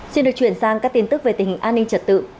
xin được chuyển sang các tin tức về tình hình an ninh trật tự